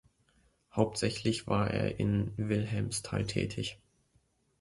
Hauptsächlich war er in Wilhelmsthal tätig.